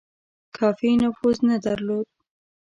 کافي نفوذ نه درلود.